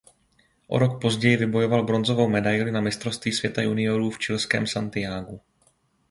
O rok později vybojoval bronzovou medaili na mistrovství světa juniorů v chilském Santiagu.